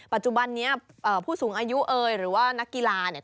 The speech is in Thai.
ปัจจุบันนี้ผู้สูงอายุเอ่ยหรือว่านักกีฬาเนี่ย